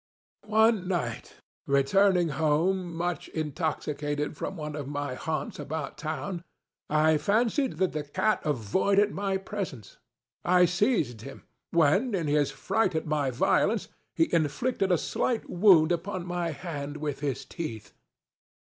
One night, returning home, much intoxicated, from one of my haunts about town, I fancied that the cat avoided my presence. I seized him; when, in his fright at my violence, he inflicted a slight wound upon my hand with his teeth.